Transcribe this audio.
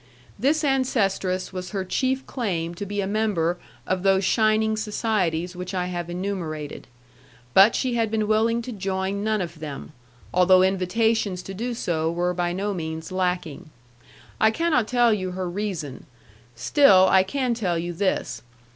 This ancestress was her chief claim to be a member of those shining societies which I have enumerated. But she had been willing to join none of them, although invitations to do so were by no means lacking. I cannot tell you her reason. Still, I can tell you this.